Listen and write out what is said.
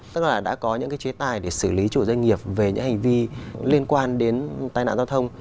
tức là đã có những cái chế tài để xử lý chủ doanh nghiệp về những hành vi liên quan đến tai nạn giao thông